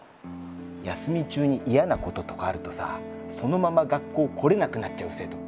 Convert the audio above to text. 休み中に嫌なこととかあるとさそのまま学校来れなくなっちゃう生徒結構いるから。